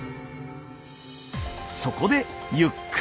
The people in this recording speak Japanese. そこでゆっくり。